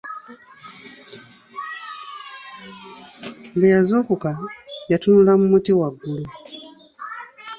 Bwe yazuukuka, yatunula mu muti waggulu.